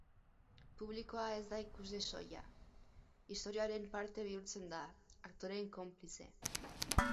Publikoa ez da ikusle soila, istorioaren parte bihurtzen da, aktoreen konplize.